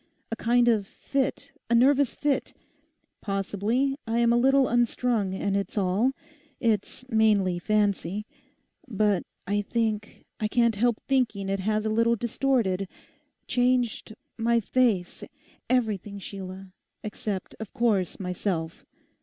A kind of fit, a nervous fit. Possibly I am a little unstrung, and it's all, it's mainly fancy: but I think, I can't help thinking it has a little distorted—changed my face; everything, Sheila; except, of course, myself.